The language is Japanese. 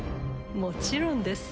もちろんです。